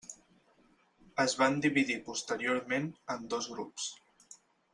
Es van dividir posteriorment en dos grups.